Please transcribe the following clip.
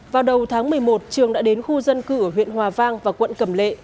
vào đầu tháng một mươi một trường đã đến khu dân cư ở huyện hòa vang và quận cầm lệ